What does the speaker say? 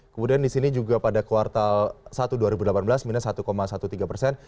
kemudian di sini juga pada kuartal satu dua ribu delapan belas minus satu tiga belas persen